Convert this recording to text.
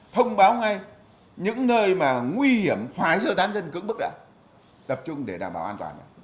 thông báo ngay những nơi mà nguy hiểm phải sơ tán dân cứng bức đã tập trung để đảm bảo an toàn